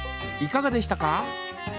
いかがでしたか？